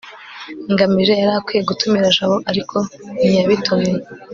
ngamije yari akwiye gutumira jabo, ariko ntiyabitumiye